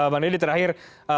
mbak niddy terakhir